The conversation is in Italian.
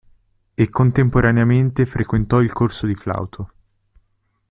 E contemporaneamente frequentò il corso di flauto.